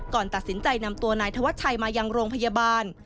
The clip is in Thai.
ก่อนตัดสินใจนำตัวนายธวัชชัยมายังโรงพยาบาล